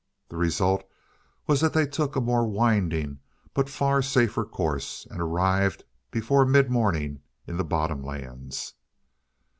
The result was that they took a more winding, but a far safer course, and arrived before midmorning in the bottomlands.